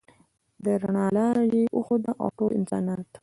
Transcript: د رڼا لاره یې وښوده ټولو انسانانو ته.